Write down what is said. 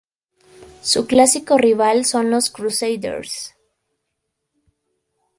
Su clásico rival son los Crusaders.